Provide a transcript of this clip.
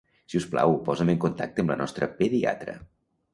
Si us plau, posa'm en contacte amb la nostra pediatra.